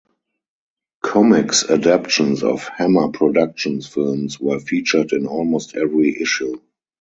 Comics adaptations of Hammer Productions films were featured in almost every issue.